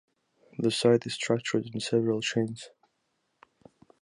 The site is structured in several chains.